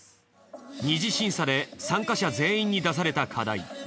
二次審査で参加者全員に出された課題。